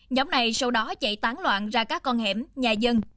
nhóm này sau đó chạy tán loạn ra các con hẻm nhà dân